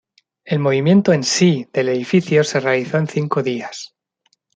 El movimiento en sí del edificio se realizó en cinco días.